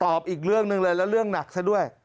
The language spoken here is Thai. อีกเรื่องหนึ่งเลยแล้วเรื่องหนักซะด้วย